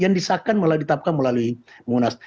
yang disahkan melalui tapkan melalui munas